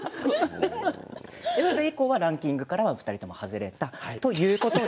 これ以降はランキングからは２人とも外れたということで。